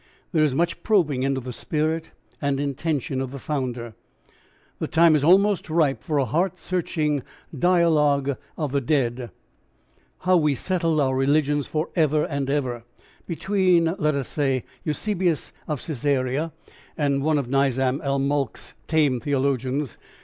There is much probing into the spirit and intention of the Founder. The time is almost ripe for a heart searching Dialogue of the Dead, "How we settled our religions for ever and ever," between, let us say, Eusebius of Caesarea and one of Nizam al Mulk's tame theologians.